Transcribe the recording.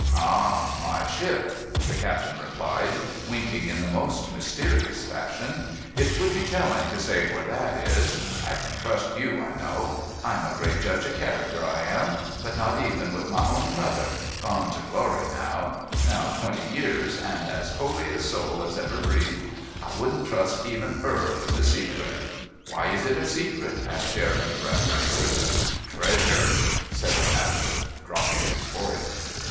"Ah, my ship!" the Captain replied, winking in the most mysterious fashion; "it would be telling to say where that is. I can trust you, I know; I'm a great judge o' character, I am, but not even with my own mother, gone to glory now twenty years and as holy a soul as ever breathed, I wouldn't trust even 'er with the secret." "Why is it a secret?" asked Jeremy breathlessly. "Treasure," said the Captain, dropping his voice.